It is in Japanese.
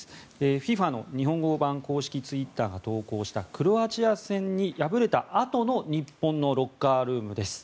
ＦＩＦＡの日本語版公式ツイッターが投稿したクロアチア戦に敗れたあとの日本のロッカールームです。